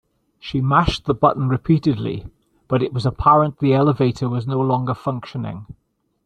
She mashed the button repeatedly, but it was apparent the elevator was no longer functioning.